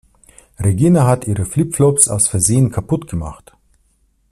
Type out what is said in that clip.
Regina hat ihre Flip-Flops aus Versehen kaputt gemacht.